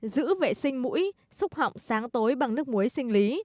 giữ vệ sinh mũi xúc họng sáng tối bằng nước muối sinh lý